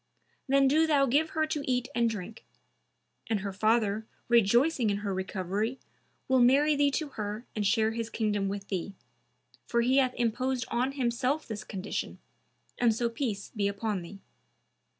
Then do thou give her to eat and drink. and her father, rejoicing in her recovery, will marry thee to her and share his kingdom with thee; for he hath imposed on himself this condition and so peace be upon thee."